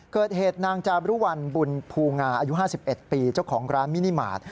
เกิดเหตุนางจารุวัลบุญภูงาอายุ๕๑ปีเจ้าของร้านมินิมาตร